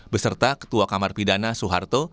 beserta ketua kamar pidana soeharto